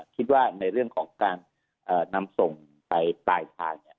คิดว่าในเรื่องของการนำทรงไปตายก่อน